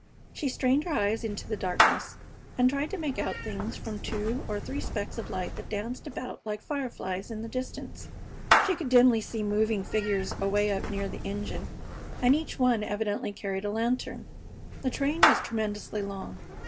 She strained her eyes into the darkness, and tried to make out things from the two or three specks of light that danced about like fireflies in the distance. She could dimly see moving figures away up near the engine, and each one evidently carried a lantern. The train was tremendously long.